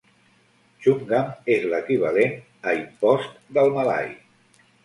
"Chungam" és l'equivalent a "impost" del malai.